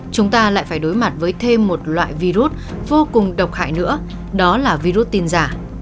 chúng ta lại phải đối mặt với thêm một loại virus vô cùng độc hại nữa đó là virus tin giả